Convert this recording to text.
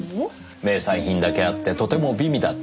名産品だけあってとても美味だったもので。